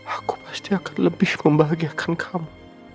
aku pasti akan lebih membahagiakan kamu